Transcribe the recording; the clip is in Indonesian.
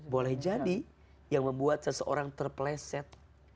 boleh jadi yang membuat seseorang terpleset